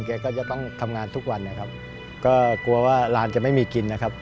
แกก็จะต้องทำงานทุกวันนะครับก็กลัวว่าร้านจะไม่มีกินนะครับ